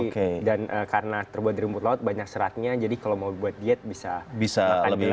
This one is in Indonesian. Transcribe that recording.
jadi dan karena terbuat dari rumput laut banyak seratnya jadi kalau mau buat diet bisa makan gelasnya nanti